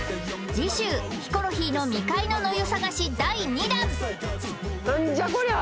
次週ヒコロヒーの未開の野湯探し第２弾何じゃこりゃ？